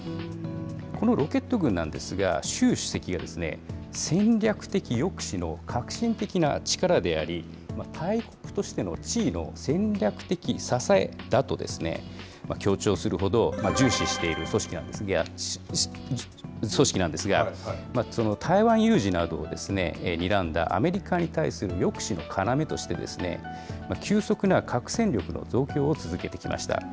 このロケット軍なんですが、習主席が戦略的抑止の核心的な力であり、大国としての地位の戦略的支えだと、強調するほど重視している組織なんですが、台湾有事などをにらんだアメリカに対する抑止の要として、急速な核戦力の増強を続けてきました。